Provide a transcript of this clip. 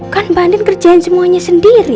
kan mbak andin kerjain semuanya sendiri